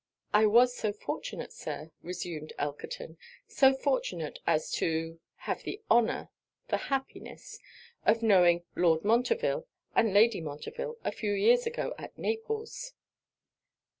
'I was so fortunate, Sir,' resumed Elkerton, 'so fortunate as to have the honour the happiness of knowing Lord Montreville and Lady Montreville a few years ago at Naples.'